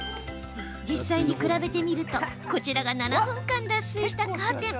実際に比べてみるとこちらが７分間脱水したカーテン。